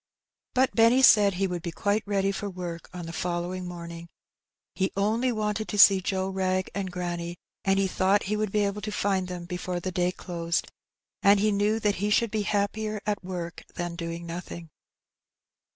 But Benny said he would be quite ready for work on the following morning ; he only wanted to see Joe Wrag and granny, and he thought he would be able to find them before the day closed, and he knew that he should be happier at work than doing nothing.